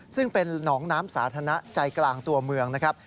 ซึ่งเป็นหนองน้ำสาธารณะใจกลางตัวเมืองนะครับ